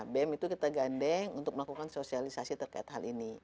bem itu kita gandeng untuk melakukan sosialisasi terkait hal ini